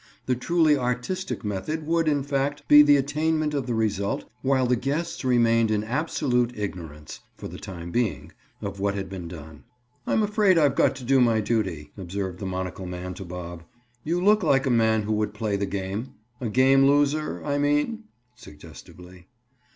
The truly artistic method would, in fact, be the attainment of the result while the guests remained in absolute ignorance, for the time being, of what had been done. "I'm afraid I've got to do my duty," observed the monocle man to Bob. "You look like a man who would play the game. A game loser, I mean?" Suggestively.